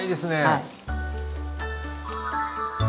はい。